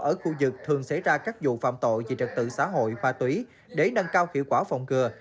ở khu vực thường xảy ra các vụ phạm tội vì trật tự xã hội pha túy để nâng cao hiệu quả phòng cửa